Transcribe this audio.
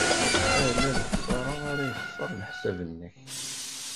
Ala lexṣara ara yexṣer leḥsab-nnek.